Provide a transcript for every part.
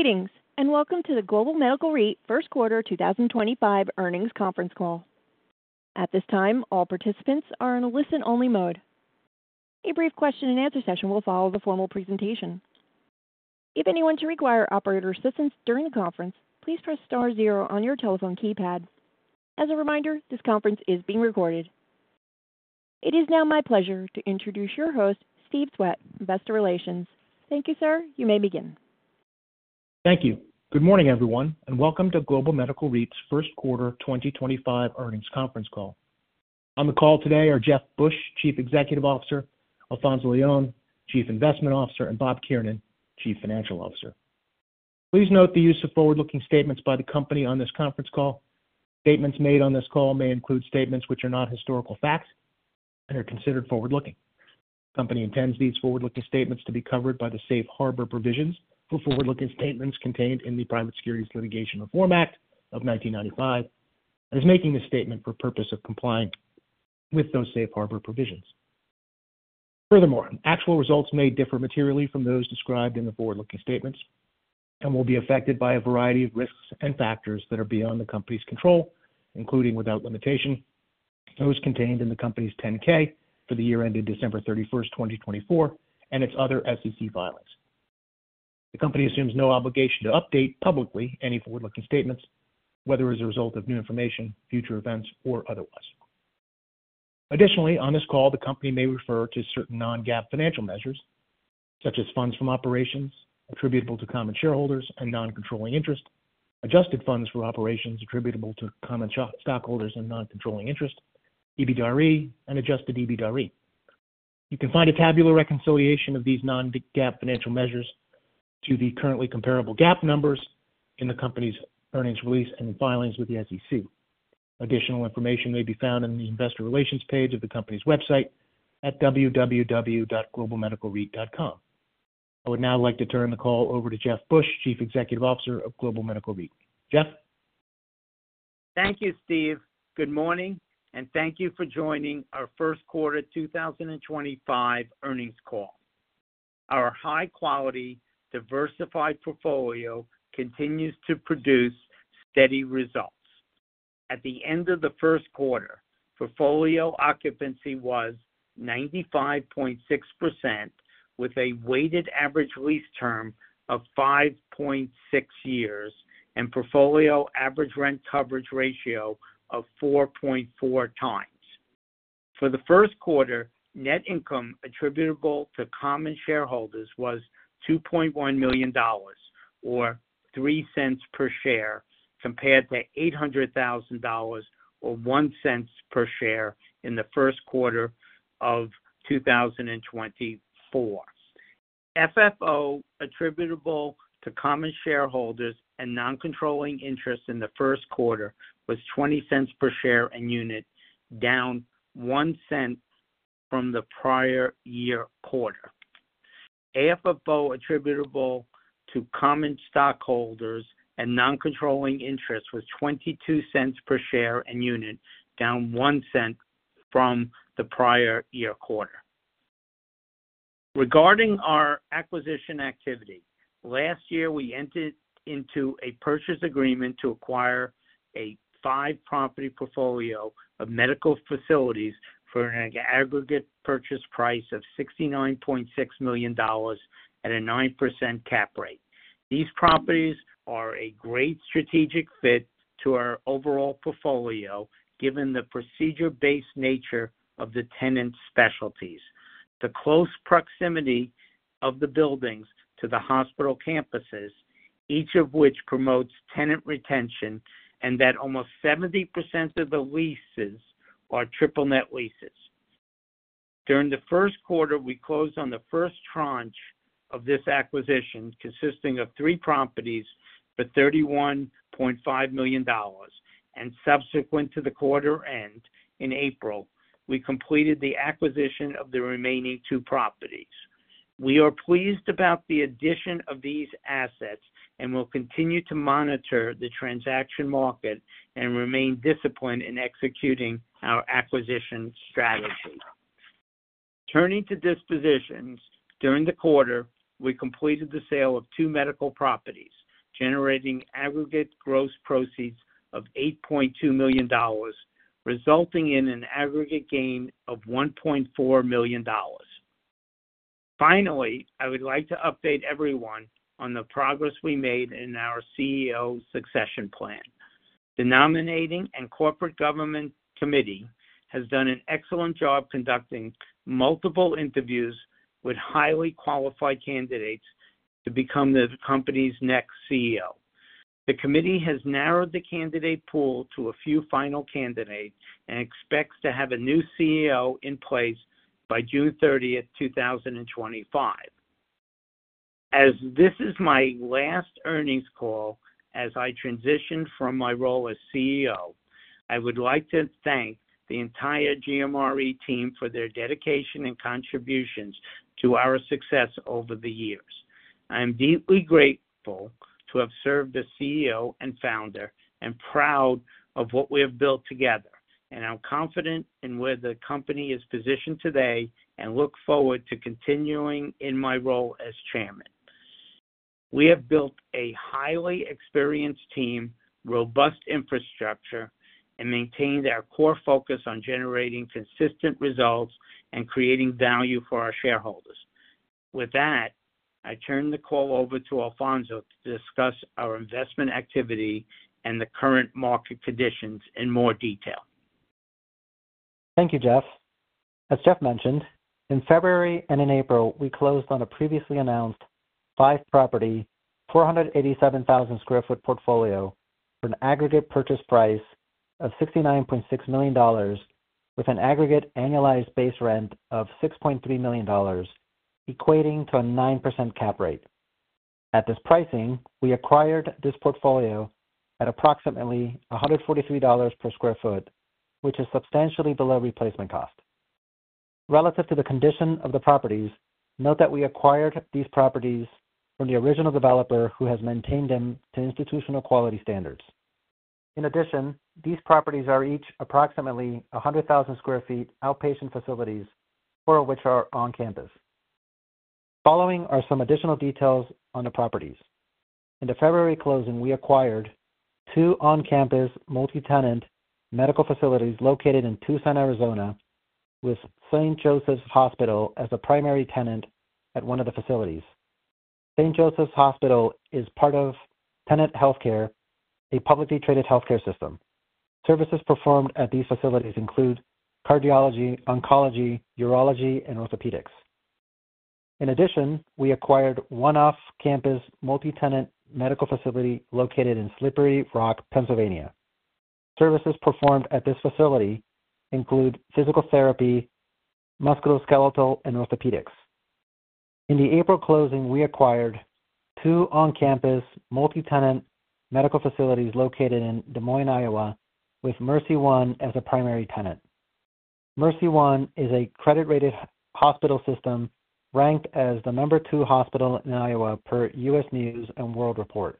Greetings, and welcome to the Global Medical REIT First Quarter 2025 earnings conference call. At this time, all participants are in a listen-only mode. A brief question-and-answer session will follow the formal presentation. If anyone should require operator assistance during the conference, please press star zero on your telephone keypad. As a reminder, this conference is being recorded. It is now my pleasure to introduce your host, Steve Swett, Best of Relations. Thank you, sir. You may begin. Thank you. Good morning, everyone, and welcome to Global Medical REIT's First Quarter 2025 earnings conference call. On the call today are Jeff Busch, Chief Executive Officer; Alfonzo Leon, Chief Investment Officer; and Bob Kiernan, Chief Financial Officer. Please note the use of forward-looking statements by the company on this conference call. Statements made on this call may include statements which are not historical facts and are considered forward-looking. The company intends these forward-looking statements to be covered by the safe harbor provisions for forward-looking statements contained in the Private Securities Litigation Reform Act of 1995, and is making this statement for purpose of complying with those safe harbor provisions. Furthermore, actual results may differ materially from those described in the forward-looking statements and will be affected by a variety of risks and factors that are beyond the company's control, including without limitation, those contained in the company's 10-K for the year ended December 31, 2024, and its other SEC filings. The company assumes no obligation to update publicly any forward-looking statements, whether as a result of new information, future events, or otherwise. Additionally, on this call, the company may refer to certain non-GAAP financial measures, such as funds from operations attributable to common shareholders and non-controlling interest, adjusted funds from operations attributable to common stockholders and non-controlling interest, EBITDAre, and adjusted EBITDA-RE. You can find a tabular reconciliation of these non-GAAP financial measures to the currently comparable GAAP numbers in the company's earnings release and filings with the SEC. Additional information may be found in the Investor Relations page of the company's website at www.globalmedicalreit.com. I would now like to turn the call over to Jeff Busch, Chief Executive Officer of Global Medical REIT. Jeff? Thank you, Steve. Good morning, and thank you for joining our First Quarter 2025 earnings call. Our high-quality, diversified portfolio continues to produce steady results. At the end of the first quarter, portfolio occupancy was 95.6%, with a weighted average lease term of 5.6 years and portfolio average rent coverage ratio of 4.4x. For the first quarter, net income attributable to common shareholders was $2.1 million, or $0.03 per share, compared to $800,000 or $0.01 per share in the first quarter of 2024. FFO attributable to common shareholders and non-controlling interest in the first quarter was $0.20 per share and unit, down $0.01 from the prior year quarter. AFFO attributable to common stockholders and non-controlling interest was $0.22 per share and unit, down $0.01 from the prior year quarter. Regarding our acquisition activity, last year we entered into a purchase agreement to acquire a five-property portfolio of medical facilities for an aggregate purchase price of $69.6 million at a 9% cap rate. These properties are a great strategic fit to our overall portfolio, given the procedure-based nature of the tenant specialties, the close proximity of the buildings to the hospital campuses, each of which promotes tenant retention, and that almost 70% of the leases are triple-net leases. During the first quarter, we closed on the first tranche of this acquisition, consisting of three properties for $31.5 million, and subsequent to the quarter end in April, we completed the acquisition of the remaining two properties. We are pleased about the addition of these assets and will continue to monitor the transaction market and remain disciplined in executing our acquisition strategy. Turning to dispositions, during the quarter, we completed the sale of two medical properties, generating aggregate gross proceeds of $8.2 million, resulting in an aggregate gain of $1.4 million. Finally, I would like to update everyone on the progress we made in our CEO succession plan. The nominating and corporate governance committee has done an excellent job conducting multiple interviews with highly qualified candidates to become the company's next CEO. The committee has narrowed the candidate pool to a few final candidates and expects to have a new CEO in place by June 30, 2025. As this is my last earnings call, as I transition from my role as CEO, I would like to thank the entire GMRE team for their dedication and contributions to our success over the years. I am deeply grateful to have served as CEO and founder and proud of what we have built together, and I'm confident in where the company is positioned today and look forward to continuing in my role as Chairman. We have built a highly experienced team, robust infrastructure, and maintained our core focus on generating consistent results and creating value for our shareholders. With that, I turn the call over to Alfonzo to discuss our investment activity and the current market conditions in more detail. Thank you, Jeff. As Jeff mentioned, in February and in April, we closed on a previously announced five-property, 487,000 sq ft portfolio for an aggregate purchase price of $69.6 million, with an aggregate annualized base rent of $6.3 million, equating to a 9% cap rate. At this pricing, we acquired this portfolio at approximately $143 per sq ft, which is substantially below replacement cost. Relative to the condition of the properties, note that we acquired these properties from the original developer who has maintained them to institutional quality standards. In addition, these properties are each approximately 100,000 sq ft outpatient facilities, four of which are on campus. Following are some additional details on the properties. In the February closing, we acquired two on-campus multi-tenant medical facilities located in Tucson, Arizona, with St. Joseph's Hospital as a primary tenant at one of the facilities. St. Joseph's Hospital is part of Tenet Healthcare, a publicly traded healthcare system. Services performed at these facilities include cardiology, oncology, urology, and orthopedics. In addition, we acquired one off-campus multi-tenant medical facility located in Slippery Rock, Pennsylvania. Services performed at this facility include physical therapy, musculoskeletal, and orthopedics. In the April closing, we acquired two on-campus multi-tenant medical facilities located in Des Moines, Iowa, with MercyOne as a primary tenant. MercyOne is a credit-rated hospital system ranked as the number two hospital in Iowa per U.S. News and World Report.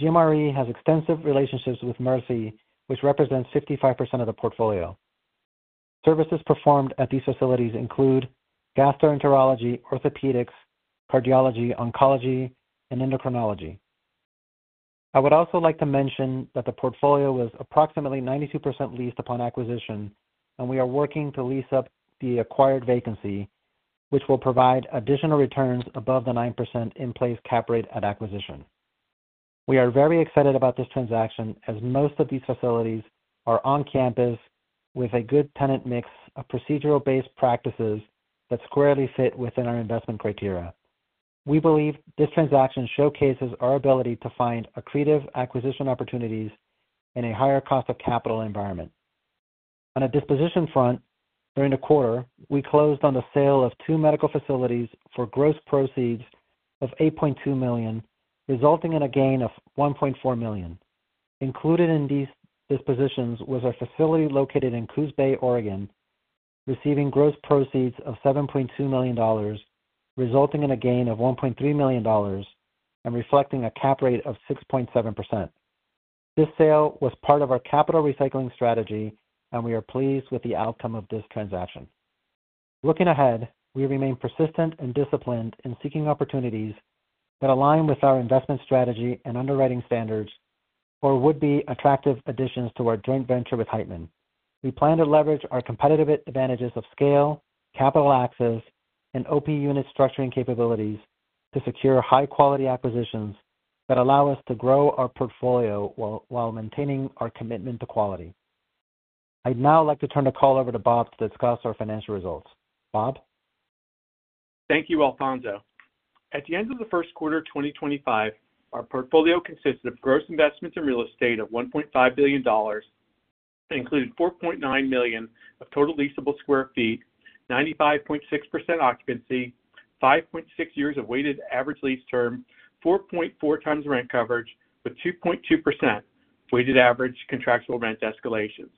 GMRE has extensive relationships with MercyOne, which represents 55% of the portfolio. Services performed at these facilities include gastroenterology, orthopedics, cardiology, oncology, and endocrinology. I would also like to mention that the portfolio was approximately 92% leased upon acquisition, and we are working to lease up the acquired vacancy, which will provide additional returns above the 9% in place cap rate at acquisition. We are very excited about this transaction as most of these facilities are on campus with a good tenant mix of procedural-based practices that squarely fit within our investment criteria. We believe this transaction showcases our ability to find accretive acquisition opportunities in a higher cost of capital environment. On a disposition front, during the quarter, we closed on the sale of two medical facilities for gross proceeds of $8.2 million, resulting in a gain of $1.4 million. Included in these dispositions was a facility located in Coos Bay, Oregon, receiving gross proceeds of $7.2 million, resulting in a gain of $1.3 million and reflecting a cap rate of 6.7%. This sale was part of our capital recycling strategy, and we are pleased with the outcome of this transaction. Looking ahead, we remain persistent and disciplined in seeking opportunities that align with our investment strategy and underwriting standards or would be attractive additions to our joint venture with Heitman. We plan to leverage our competitive advantages of scale, capital access, and OP unit structuring capabilities to secure high-quality acquisitions that allow us to grow our portfolio while maintaining our commitment to quality. I'd now like to turn the call over to Bob to discuss our financial results. Bob? Thank you, Alfonzo. At the end of the first quarter of 2025, our portfolio consisted of gross investments in real estate of $1.5 billion, included 4.9 million of total leasable sq ft, 95.6% occupancy, 5.6 years of weighted average lease term, 4.4x rent coverage with 2.2% weighted average contractual rent escalations.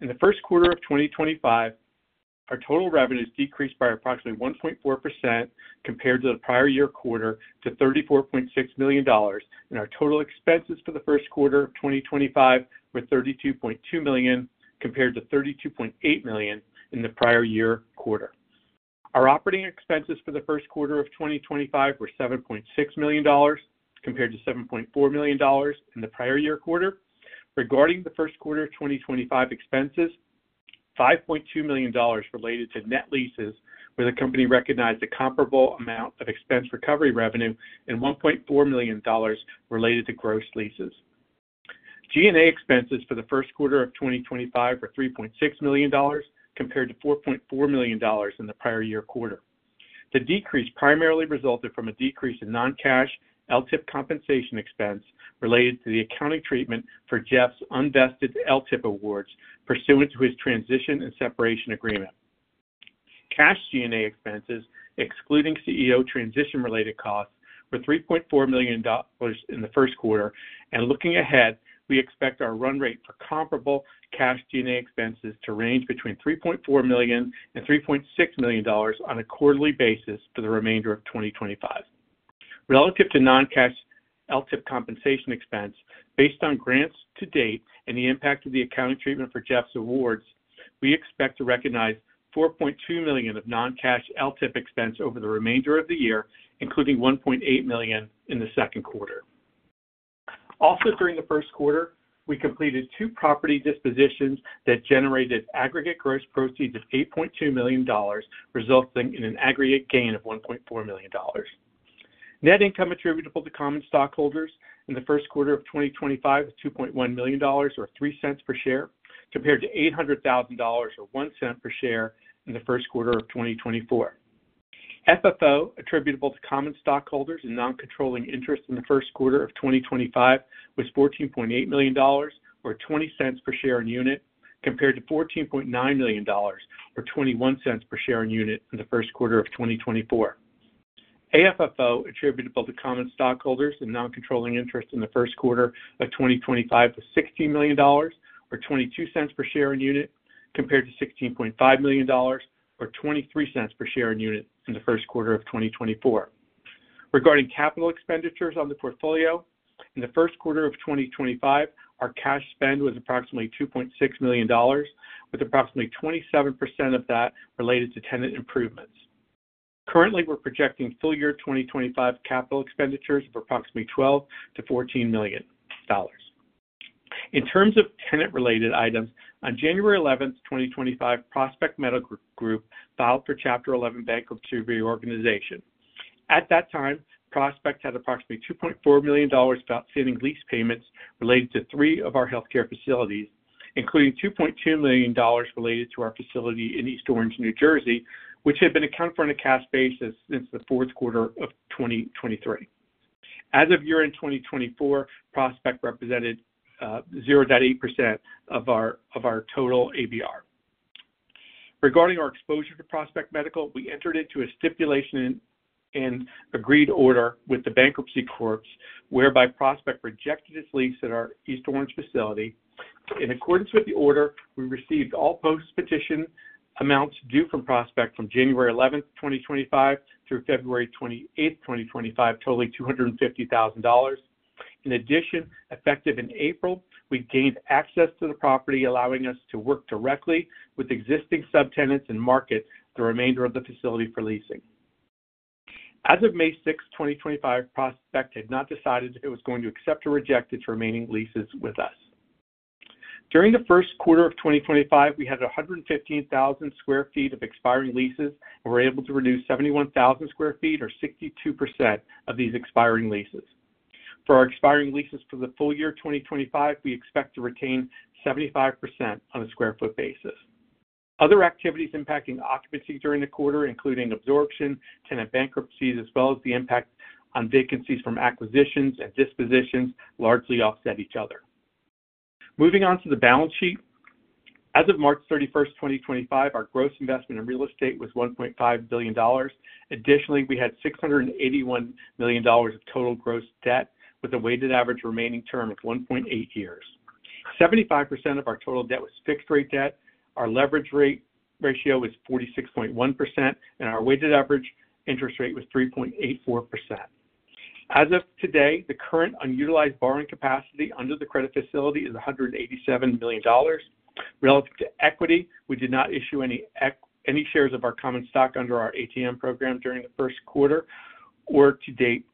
In the first quarter of 2025, our total revenues decreased by approximately 1.4% compared to the prior year quarter to $34.6 million, and our total expenses for the first quarter of 2025 were $32.2 million compared to $32.8 million in the prior year quarter. Our operating expenses for the first quarter of 2025 were $7.6 million compared to $7.4 million in the prior year quarter. Regarding the first quarter of 2025 expenses, $5.2 million related to net leases, where the company recognized a comparable amount of expense recovery revenue, and $1.4 million related to gross leases. G&A expenses for the first quarter of 2025 were $3.6 million compared to $4.4 million in the prior year quarter. The decrease primarily resulted from a decrease in non-cash LTIP compensation expense related to the accounting treatment for Jeff's unvested LTIP awards pursuant to his transition and separation agreement. Cash G&A expenses, excluding CEO transition-related costs, were $3.4 million in the first quarter, and looking ahead, we expect our run rate for comparable cash G&A expenses to range between $3.4 million-$3.6 million on a quarterly basis for the remainder of 2025. Relative to non-cash LTIP compensation expense, based on grants to date and the impact of the accounting treatment for Jeff's awards, we expect to recognize $4.2 million of non-cash LTIP expense over the remainder of the year, including $1.8 million in the second quarter. Also, during the first quarter, we completed two property dispositions that generated aggregate gross proceeds of $8.2 million, resulting in an aggregate gain of $1.4 million. Net income attributable to common stockholders in the first quarter of 2025 was $2.1 million or $0.03 per share, compared to $800,000 or $0.01 per share in the first quarter of 2024. FFO attributable to common stockholders and non-controlling interest in the first quarter of 2025 was $14.8 million or $0.20 per share and unit, compared to $14.9 million or $0.21 per share and unit in the first quarter of 2024. AFFO attributable to common stockholders and non-controlling interest in the first quarter of 2025 was $16.0 million or $0.22 per share and unit, compared to $16.5 million or $0.23 per share and unit in the first quarter of 2024. Regarding capital expenditures on the portfolio, in the first quarter of 2025, our cash spend was approximately $2.6 million, with approximately 27% of that related to tenant improvements. Currently, we're projecting full year 2025 capital expenditures of approximately $12 million-$14 million. In terms of tenant-related items, on January 11th, 2025, Prospect Medical Group filed for Chapter 11 Bankruptcy Reorganization. At that time, Prospect had approximately $2.4 million outstanding lease payments related to three of our healthcare facilities, including $2.2 million related to our facility in East Orange, New Jersey, which had been accounted for on a cash basis since the fourth quarter of 2023. As of year-end 2024, Prospect represented 0.8% of our total ABR. Regarding our exposure to Prospect Medical, we entered into a stipulation and agreed order with the bankruptcy courts, whereby Prospect rejected its lease at our East Orange facility. In accordance with the order, we received all post-petition amounts due from Prospect from January 11, 2025, through February 28, 2025, totaling $250,000. In addition, effective in April, we gained access to the property, allowing us to work directly with existing subtenants and market the remainder of the facility for leasing. As of May 6, 2025, Prospect had not decided if it was going to accept or reject its remaining leases with us. During the first quarter of 2025, we had 115,000 sq ft of expiring leases and were able to reduce 71,000 sq ft or 62% of these expiring leases. For our expiring leases for the full year 2025, we expect to retain 75% on a sq ft basis. Other activities impacting occupancy during the quarter, including absorption, tenant bankruptcies, as well as the impact on vacancies from acquisitions and dispositions, largely offset each other. Moving on to the balance sheet, as of March 31, 2025, our gross investment in real estate was $1.5 billion. Additionally, we had $681 million of total gross debt with a weighted average remaining term of 1.8 years. 75% of our total debt was fixed-rate debt. Our leverage ratio was 46.1%, and our weighted average interest rate was 3.84%. As of today, the current unutilized borrowing capacity under the credit facility is $187 million. Relative to equity, we did not issue any shares of our common stock under our ATM program during the first quarter or to date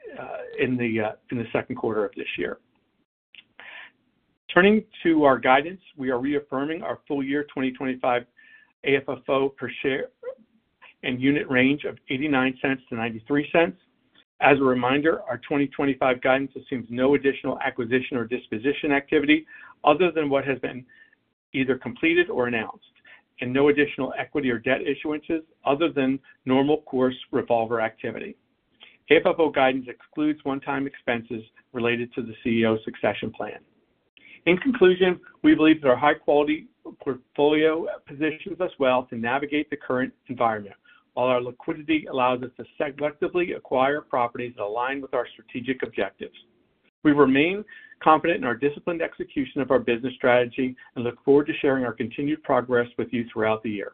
in the second quarter of this year. Turning to our guidance, we are reaffirming our full year 2025 AFFO per share and unit range of $0.89-$0.93. As a reminder, our 2025 guidance assumes no additional acquisition or disposition activity other than what has been either completed or announced, and no additional equity or debt issuances other than normal course revolver activity. AFFO guidance excludes one-time expenses related to the CEO succession plan. In conclusion, we believe that our high-quality portfolio positions us well to navigate the current environment, while our liquidity allows us to selectively acquire properties that align with our strategic objectives. We remain confident in our disciplined execution of our business strategy and look forward to sharing our continued progress with you throughout the year.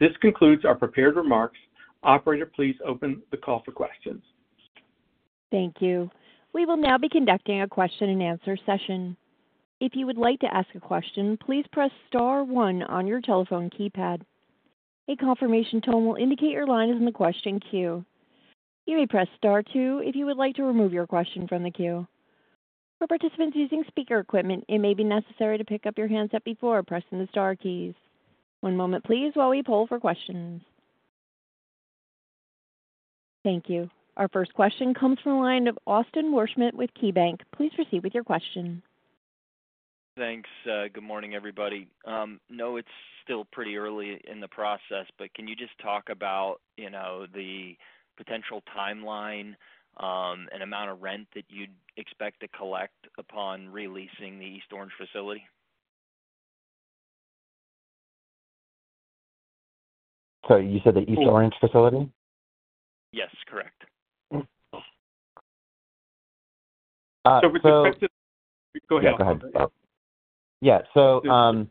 This concludes our prepared remarks. Operator, please open the call for questions. Thank you. We will now be conducting a question-and-answer session. If you would like to ask a question, please press star one on your telephone keypad. A confirmation tone will indicate your line is in the question queue. You may press star two if you would like to remove your question from the queue. For participants using speaker equipment, it may be necessary to pick up your handset before pressing the Star keys. One moment, please, while we pull for questions. Thank you. Our first question comes from the line of Austin Wurschmidt with KeyBanc. Please proceed with your question. Thanks. Good morning, everybody. No, it's still pretty early in the process, but can you just talk about the potential timeline and amount of rent that you'd expect to collect upon releasing the East Orange facility? Sorry, you said the East Orange facility? Yes, correct. With respect to—go ahead. Yeah, go ahead.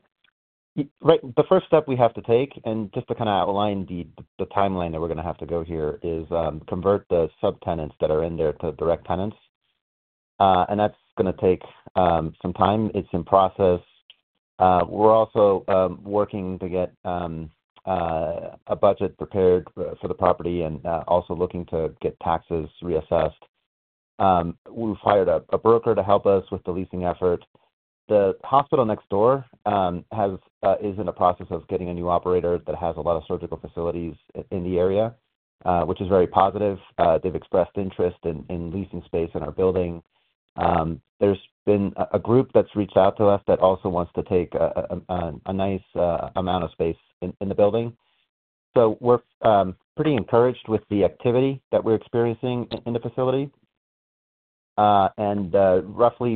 Yeah. The first step we have to take, and just to kind of outline the timeline that we're going to have to go here, is convert the subtenants that are in there to direct tenants. That's going to take some time. It's in process. We're also working to get a budget prepared for the property and also looking to get taxes reassessed. We've hired a broker to help us with the leasing effort. The hospital next door is in the process of getting a new operator that has a lot of surgical facilities in the area, which is very positive. They've expressed interest in leasing space in our building. There's been a group that's reached out to us that also wants to take a nice amount of space in the building. We're pretty encouraged with the activity that we're experiencing in the facility.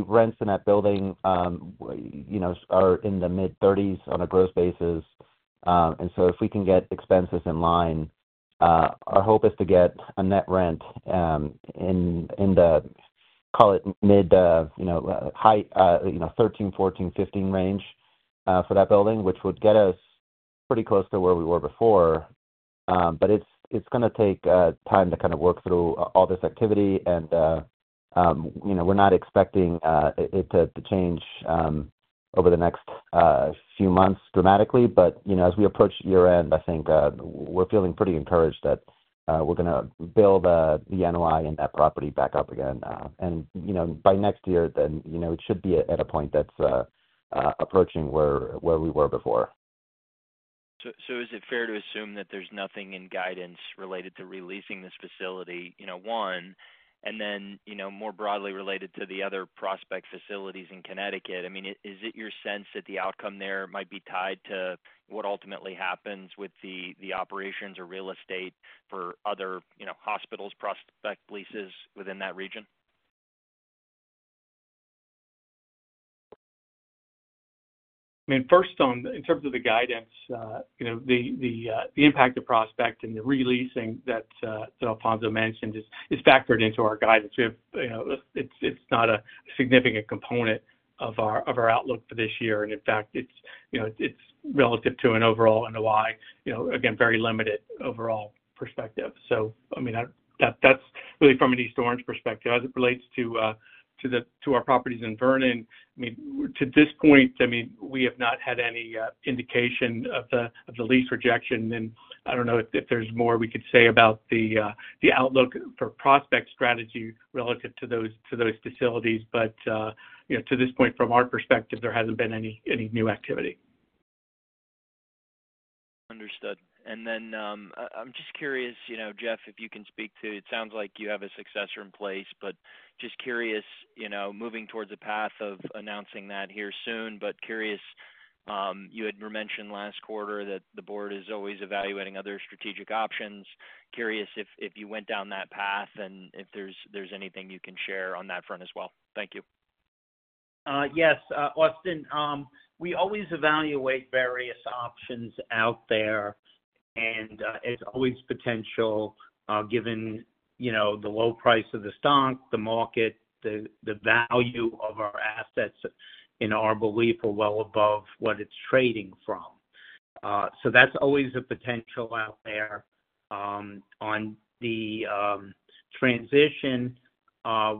Rents in that building are in the mid-30s on a gross basis. If we can get expenses in line, our hope is to get a net rent in the mid-13-15 range for that building, which would get us pretty close to where we were before. It is going to take time to kind of work through all this activity, and we are not expecting it to change over the next few months dramatically. As we approach year-end, I think we are feeling pretty encouraged that we are going to build the NOI in that property back up again. By next year, it should be at a point that is approaching where we were before. Is it fair to assume that there's nothing in guidance related to releasing this facility, one, and then more broadly related to the other Prospect facilities in Connecticut? I mean, is it your sense that the outcome there might be tied to what ultimately happens with the operations or real estate for other hospitals Prospect leases within that region? I mean, first, in terms of the guidance, the impact of Prospect and the reletting that Alfonzo mentioned is factored into our guidance. It's not a significant component of our outlook for this year. In fact, it's relative to an overall NOI, again, very limited overall perspective. I mean, that's really from an East Orange perspective. As it relates to our properties in Vernon, I mean, to this point, we have not had any indication of the lease rejection. I don't know if there's more we could say about the outlook for Prospect strategy relative to those facilities. To this point, from our perspective, there hasn't been any new activity. Understood. I am just curious, Jeff, if you can speak to—it sounds like you have a successor in place, but just curious, moving towards a path of announcing that here soon, but curious, you had mentioned last quarter that the board is always evaluating other strategic options. Curious if you went down that path and if there is anything you can share on that front as well. Thank you. Yes, Austin. We always evaluate various options out there, and it's always potential given the low price of the stock, the market, the value of our assets, and our belief are well above what it's trading from. That's always a potential out there. On the transition,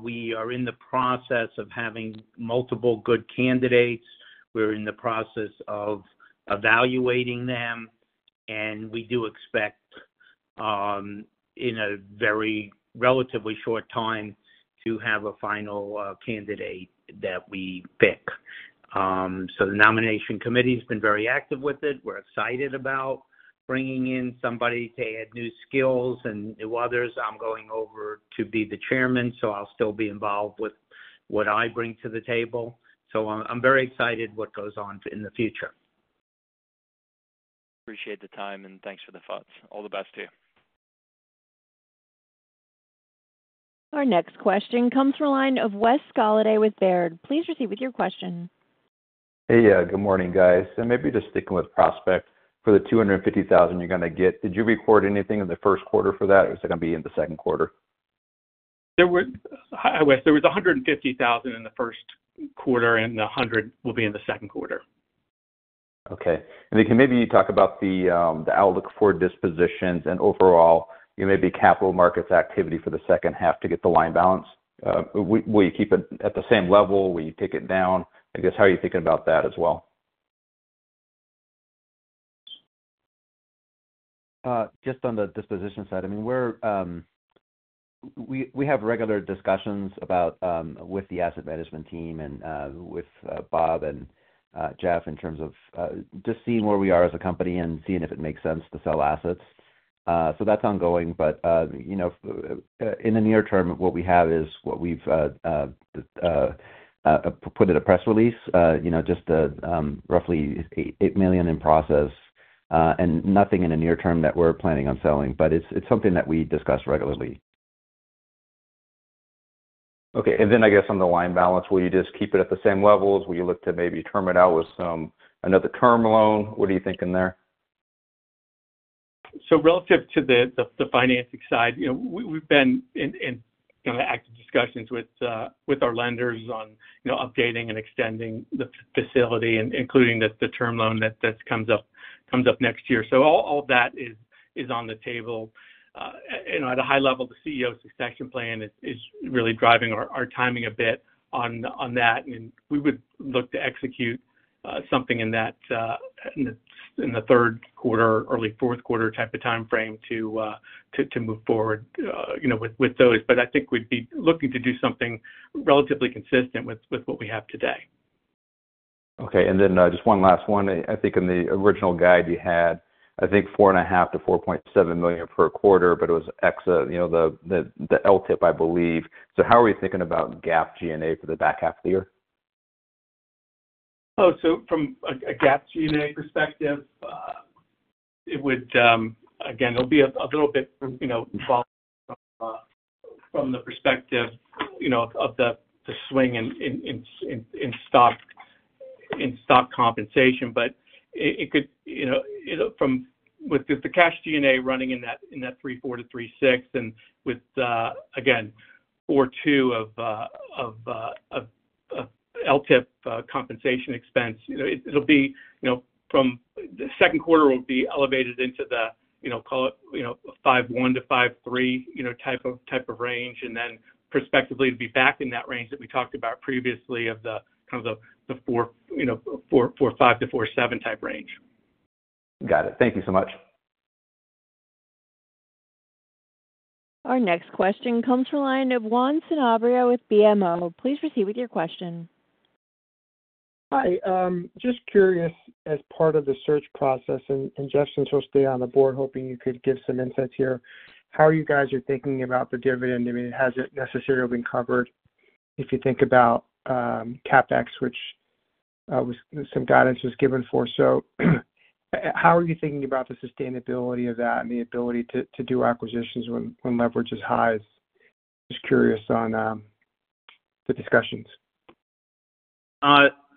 we are in the process of having multiple good candidates. We're in the process of evaluating them, and we do expect in a very relatively short time to have a final candidate that we pick. The nomination committee has been very active with it. We're excited about bringing in somebody to add new skills and new others. I'm going over to be the Chairman, so I'll still be involved with what I bring to the table. I'm very excited about what goes on in the future. Appreciate the time, and thanks for the thoughts. All the best to you. Our next question comes from the line of Wes Golladay with Baird. Please proceed with your question. Hey, good morning, guys. Maybe just sticking with Prospect, for the $250,000 you're going to get, did you record anything in the first quarter for that? Or is it going to be in the second quarter? Wes, there was $150,000 in the first quarter, and the $100,000 will be in the second quarter. Okay. Can maybe you talk about the outlook for dispositions and overall, maybe capital markets activity for the second half to get the line balance? Will you keep it at the same level? Will you take it down? I guess, how are you thinking about that as well? Just on the disposition side, I mean, we have regular discussions with the asset management team and with Bob and Jeff in terms of just seeing where we are as a company and seeing if it makes sense to sell assets. That is ongoing. In the near term, what we have is what we have put in a press release, just roughly $8 million in process, and nothing in the near term that we are planning on selling. It is something that we discuss regularly. Okay. I guess on the line balance, will you just keep it at the same levels? Will you look to maybe terminate out with another term loan? What are you thinking there? Relative to the financing side, we've been in kind of active discussions with our lenders on updating and extending the facility, including the term loan that comes up next year. All of that is on the table. At a high level, the CEO succession plan is really driving our timing a bit on that. We would look to execute something in the third quarter, early fourth quarter type of time frame to move forward with those. I think we'd be looking to do something relatively consistent with what we have today. Okay. And then just one last one. I think in the original guide you had, I think $4.5 million-$4.7 million per quarter, but it was exit the LTIP, I believe. So how are you thinking about GAAP G&A for the back half of the year? Oh, so from a GAAP G&A perspective, again, it'll be a little bit involved from the perspective of the swing in stock compensation. But it could, with the cash G&A running in that $3.4-$3.6 and with, again, $4.2 of LTIP compensation expense, it'll be from the second quarter will be elevated into the, call it, $5.1-$5.3 type of range. And then prospectively, it'll be back in that range that we talked about previously of the kind of the $4.5-$4.7 type range. Got it. Thank you so much. Our next question comes from the line of Juan Sanabria with BMO. Please proceed with your question. Hi. Just curious, as part of the search process, and Jeff's going to stay on the board, hoping you could give some insights here. How are you guys thinking about the dividend? I mean, has it necessarily been covered? If you think about CapEx, which some guidance was given for. How are you thinking about the sustainability of that and the ability to do acquisitions when leverage is high? Just curious on the discussions.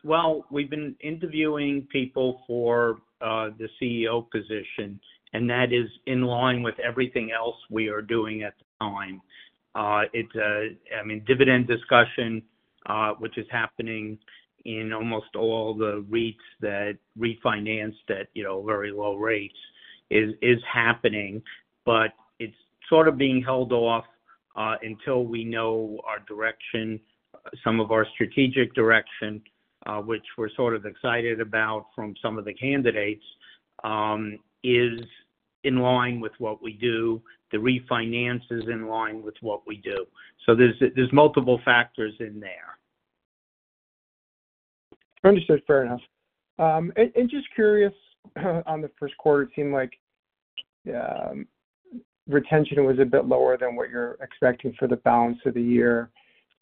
We have been interviewing people for the CEO position, and that is in line with everything else we are doing at the time. I mean, dividend discussion, which is happening in almost all the REITs that refinance at very low rates, is happening. It is sort of being held off until we know our direction. Some of our strategic direction, which we are sort of excited about from some of the candidates, is in line with what we do. The refinance is in line with what we do. There are multiple factors in there. Understood. Fair enough. Just curious, on the first quarter, it seemed like retention was a bit lower than what you're expecting for the balance of the year.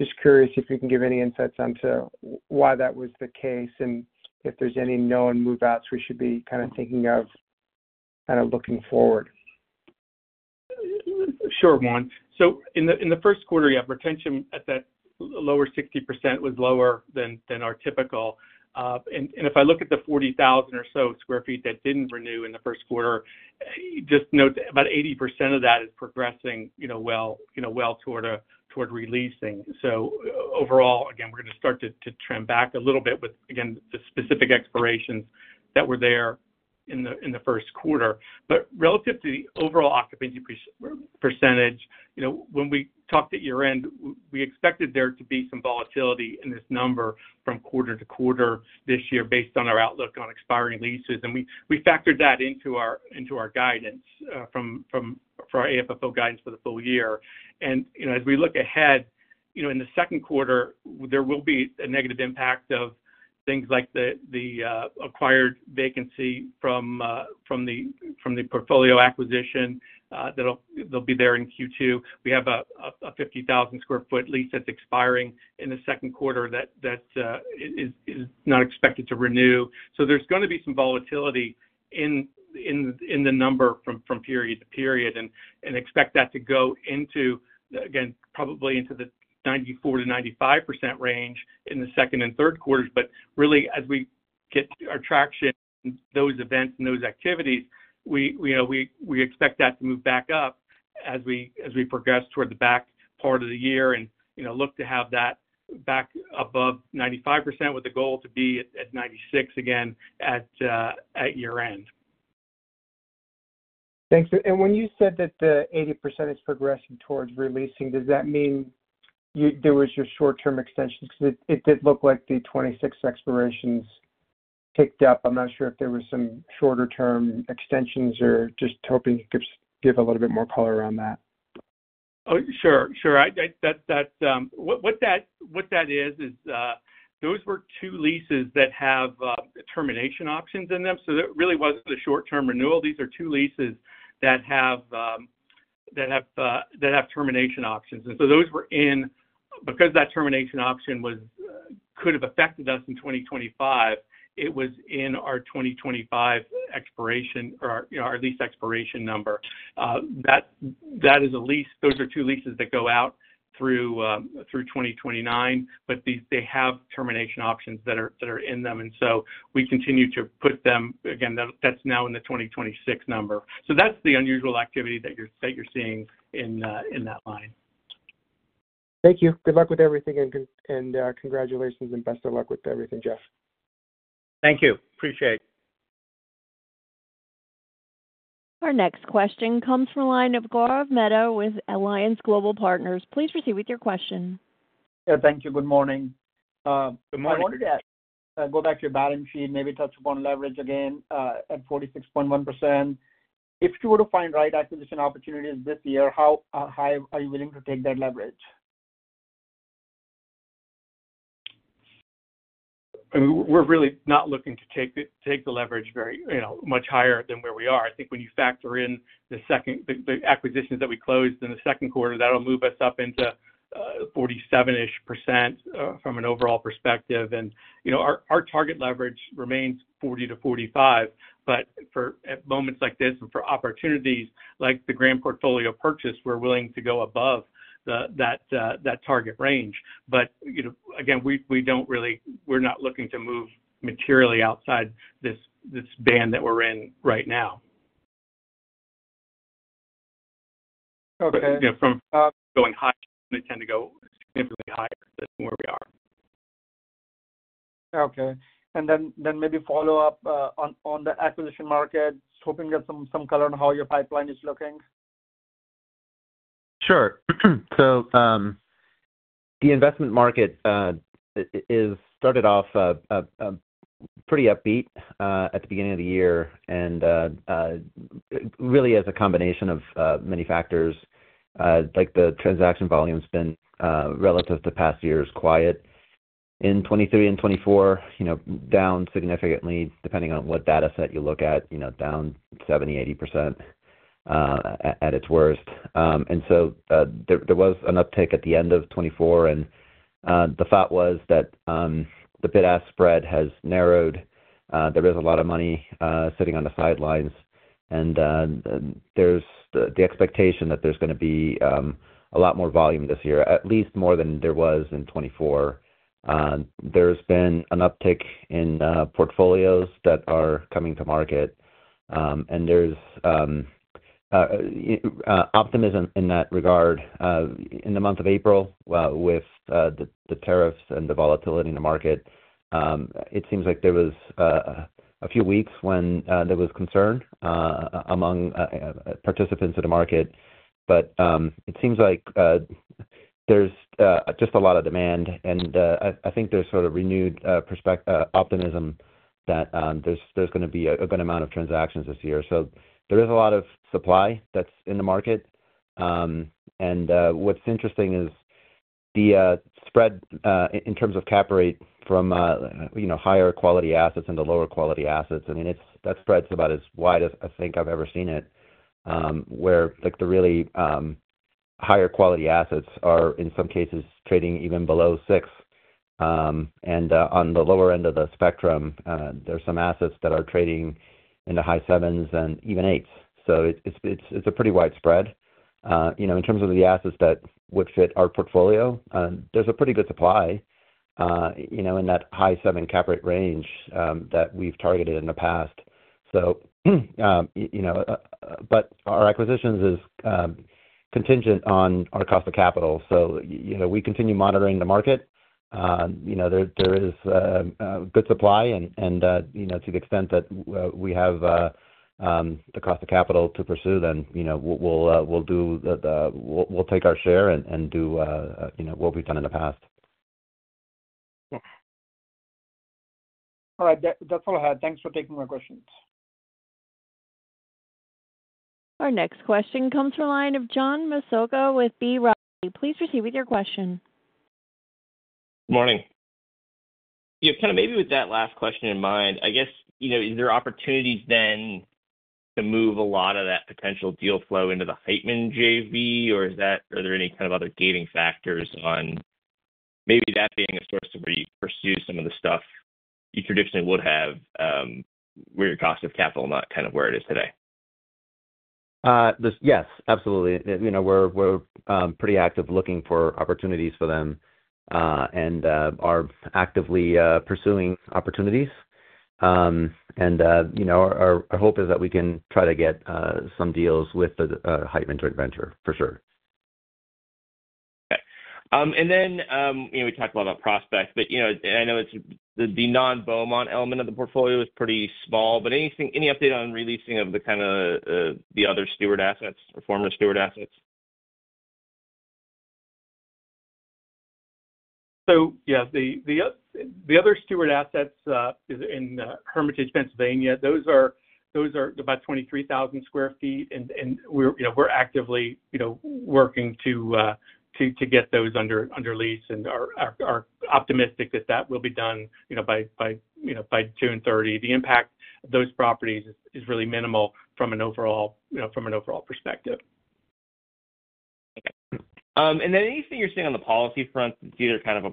Just curious if you can give any insights onto why that was the case and if there's any known move-outs we should be kind of thinking of kind of looking forward. Sure, Juan. In the first quarter, you have retention at that lower 60% was lower than our typical. If I look at the 40,000 or so sq ft that did not renew in the first quarter, just note about 80% of that is progressing well toward releasing. Overall, again, we are going to start to trim back a little bit with, again, the specific expirations that were there in the first quarter. Relative to the overall occupancy percentage, when we talked at year-end, we expected there to be some volatility in this number from quarter to quarter this year based on our outlook on expiring leases. We factored that into our guidance for our AFFO guidance for the full year. As we look ahead, in the second quarter, there will be a negative impact of things like the acquired vacancy from the portfolio acquisition. They'll be there in Q2. We have a 50,000 sq ft lease that's expiring in the second quarter that is not expected to renew. There is going to be some volatility in the number from period to period. Expect that to go into, again, probably into the 94%-95% range in the second and third quarters. Really, as we get our traction, those events and those activities, we expect that to move back up as we progress toward the back part of the year and look to have that back above 95% with the goal to be at 96% again at year-end. Thanks. When you said that the 80% is progressing towards releasing, does that mean there were short-term extensions? Because it did look like the 26 expirations ticked up. I'm not sure if there were some shorter-term extensions or just hoping you could give a little bit more color around that. Oh, sure. What that is, is those were two leases that have termination options in them. It really was not a short-term renewal. These are two leases that have termination options. Those were in because that termination option could have affected us in 2025, it was in our 2025 expiration or our lease expiration number. That is a lease. Those are two leases that go out through 2029, but they have termination options that are in them. We continue to put them again, that is now in the 2026 number. That is the unusual activity that you are seeing in that line. Thank you. Good luck with everything, and congratulations, and best of luck with everything, Jeff. Thank you. Appreciate it. Our next question comes from the line of Guarav Mehta with Alliance Global Partners. Please proceed with your question. Yeah. Thank you. Good morning. Good morning. I wanted to go back to your balance sheet, maybe touch upon leverage again at 46.1%. If you were to find right acquisition opportunities this year, how high are you willing to take that leverage? We're really not looking to take the leverage much higher than where we are. I think when you factor in the acquisitions that we closed in the second quarter, that'll move us up into 47% from an overall perspective. Our target leverage remains 40%-45%. At moments like this and for opportunities like the grand portfolio purchase, we're willing to go above that target range. Again, we're not looking to move materially outside this band that we're in right now. Okay. From going high, they tend to go significantly higher than where we are. Okay. Maybe follow up on the acquisition market, hoping to get some color on how your pipeline is looking. Sure. The investment market started off pretty upbeat at the beginning of the year. It is a combination of many factors. The transaction volume has been, relative to past years, quiet. In 2023 and 2024, down significantly, depending on what data set you look at, down 70%-80% at its worst. There was an uptick at the end of 2024. The thought was that the bid-ask spread has narrowed. There is a lot of money sitting on the sidelines. There is the expectation that there is going to be a lot more volume this year, at least more than there was in 2024. There has been an uptick in portfolios that are coming to market. There is optimism in that regard. In the month of April, with the tariffs and the volatility in the market, it seems like there was a few weeks when there was concern among participants of the market. It seems like there's just a lot of demand. I think there's sort of renewed optimism that there's going to be a good amount of transactions this year. There is a lot of supply that's in the market. What's interesting is the spread in terms of cap rate from higher quality assets into lower quality assets. I mean, that spread's about as wide as I think I've ever seen it, where the really higher quality assets are, in some cases, trading even below 6. On the lower end of the spectrum, there are some assets that are trading in the high 7s and even 8s. It's a pretty wide spread. In terms of the assets that would fit our portfolio, there's a pretty good supply in that high 7 cap rate range that we've targeted in the past. Our acquisitions are contingent on our cost of capital. We continue monitoring the market. There is good supply. To the extent that we have the cost of capital to pursue, then we'll take our share and do what we've done in the past. Yeah. All right. That's all I had. Thanks for taking my questions. Our next question comes from the line of John Masoka with B. Riley. Please proceed with your question. Good morning. Yeah. Kind of maybe with that last question in mind, I guess, is there opportunities then to move a lot of that potential deal flow into the Heitman JV? Or are there any kind of other gating factors on maybe that being a source of where you pursue some of the stuff you traditionally would have where your cost of capital is not kind of where it is today? Yes. Absolutely. We're pretty active looking for opportunities for them and are actively pursuing opportunities. Our hope is that we can try to get some deals with the Heitman joint venture, for sure. Okay. We talked a lot about Prospect, but I know the non-Beaumont element of the portfolio is pretty small. Any update on releasing of the other Steward assets or former Steward assets? Yeah, the other Steward assets in Hermitage, Pennsylvania, those are about 23,000 sq ft. We're actively working to get those under lease, and we're optimistic that that will be done by June 30. The impact of those properties is really minimal from an overall perspective. Okay. Anything you're seeing on the policy front, it's either kind of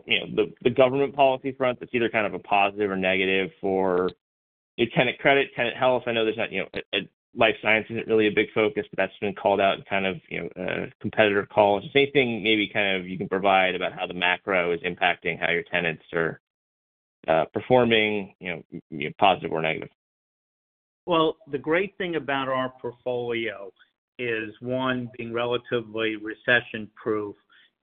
the government policy front, it's either kind of a positive or negative for tenant credit, tenant health. I know there's not life sciences isn't really a big focus, but that's been called out in kind of competitor calls. Just anything maybe kind of you can provide about how the macro is impacting how your tenants are performing, positive or negative? The great thing about our portfolio is, one, being relatively recession-proof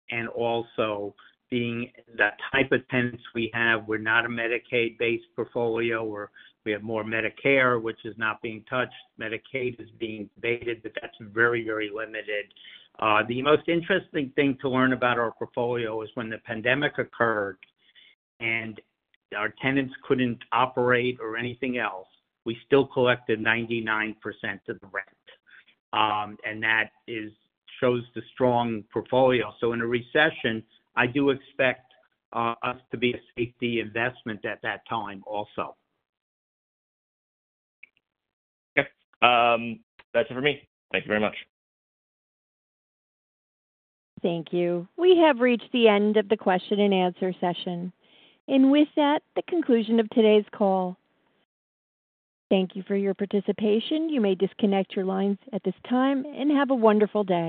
and also being that type of tenants we have. We're not a Medicaid-based portfolio. We have more Medicare, which is not being touched. Medicaid is being debated, but that's very, very limited. The most interesting thing to learn about our portfolio is when the pandemic occurred and our tenants couldn't operate or anything else, we still collected 99% of the rent. That shows the strong portfolio. In a recession, I do expect us to be a safety investment at that time also. Okay. That's it for me. Thank you very much. Thank you. We have reached the end of the question and answer session. With that, the conclusion of today's call. Thank you for your participation. You may disconnect your lines at this time and have a wonderful day.